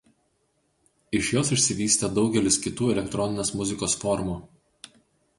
Iš jos išsivystė daugelis kitų elektroninės muzikos formų.